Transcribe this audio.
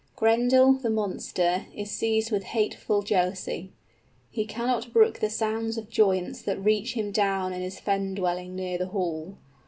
Grendel, the monster, is seized with hateful jealousy. He cannot brook the sounds of joyance that reach him down in his fen dwelling near the hall.